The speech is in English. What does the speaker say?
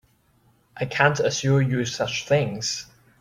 I can't assure you such things.